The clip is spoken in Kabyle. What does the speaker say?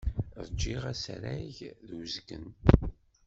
Ṛjiɣ asrag d uzgen.